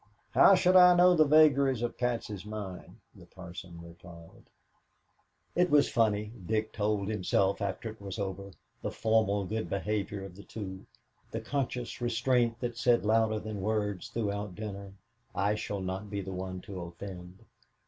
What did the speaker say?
"How should I know the vagaries of Patsy's mind?" the parson replied. It was funny, Dick told himself after it was over, the formal good behavior of the two, the conscious restraint that said louder than words throughout dinner, "I shall not be the one to offend."